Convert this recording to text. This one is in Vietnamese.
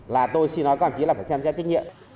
là tôi xin nói các đồng chí là phải xem xét trách nhiệm